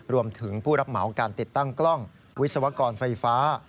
รวมถึงผู้รับเหมาการติดตั้งกล้องวิศวกรไฟฟ้า